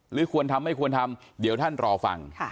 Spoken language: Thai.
ควรทำไม่ควรทำเดี๋ยวท่านรอฟัง